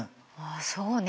あそうね。